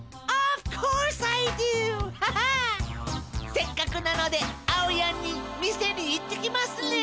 せっかくなのであおやんに見せにいってきますね。